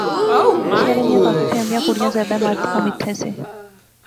شہرے نیاں کافی فیملیاں، کڑیاں زیادے مرد کم ایتھیں سے